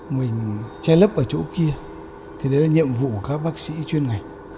mình che lấp ở chỗ kia thì đấy là nhiệm vụ của các bác sĩ chuyên ngành